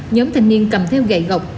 nhóm thanh niên cầm theo gậy gọc